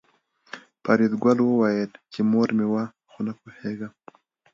فریدګل وویل چې مور مې وه خو نه پوهېږم